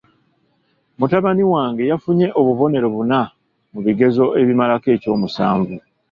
Mutabani wange yafunye obubonero buna mu bigezo ebimalako ekyomusanvu.